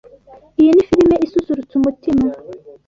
Iyi ni firime isusurutsa umutima.